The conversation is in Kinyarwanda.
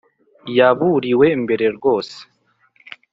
yaburiwe mbere rwose